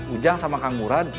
ujang sama kang murad